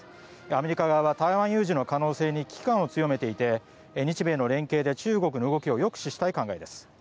アメリカ側は台湾有事の可能性に危機感を強めていて日米の連携で中国の動きを抑止したい考えです。